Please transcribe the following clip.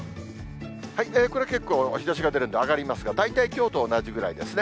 これ、結構、日ざしが出るんで上がりますが、大体きょうと同じぐらいですね。